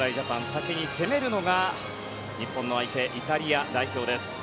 先に攻めるのが日本の相手、イタリア代表です。